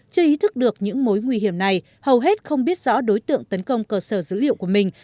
chưa ý thức được những mối nguy hiểm này hầu hết không biết rõ đối tượng tấn công cơ sở dữ liệu của mình